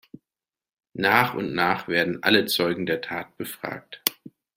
Nach und nach werden alle Zeugen der Tat befragt.